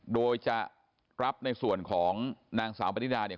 โดยจะรับในส่วนนางสาวบรินาค์